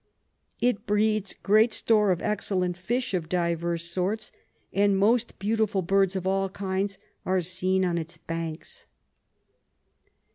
It breeds great store of excellent Fish of divers sorts, and most beautiful Birds of all kinds are seen on its Banks.